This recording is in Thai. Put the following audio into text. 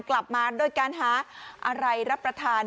กลับมาด้วยการหารายรับประทาน